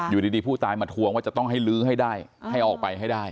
อยู่ดีผู้ตายมาทวงว่าจะต้องให้ลื้อให้ได้ให้ออกไปให้ได้